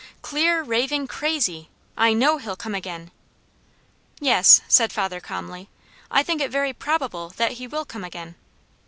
Clear, raving crazy! I know he'll come again!" "Yes," said father calmly. "I think it very probable that he will come again."